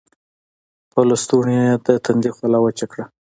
پۀ لستوڼي يې د تندي خوله وچه کړه